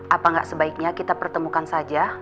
apa nggak sebaiknya kita pertemukan saja